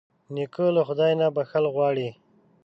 نیکه له خدای نه بښنه غواړي.